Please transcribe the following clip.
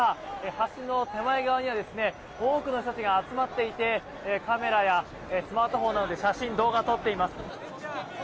橋の手前側には多くの人たちが集まっていてカメラやスマートフォンなどで写真、動画撮っています。